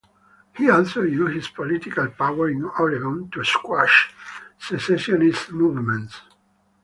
He also used his political power in Oregon to squash secessionist movements.